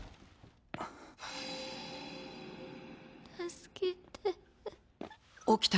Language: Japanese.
助けて。